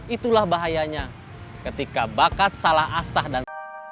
itulah bahayanya ketika bakat salah asah dan